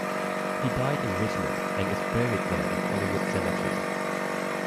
He died in Richmond and is buried there in Hollywood Cemetery.